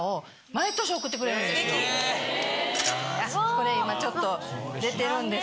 これ今ちょっと出て。